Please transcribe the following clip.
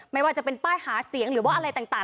ไม่ว่าจะเป็นป้ายหาเสียงหรือว่าอะไรต่าง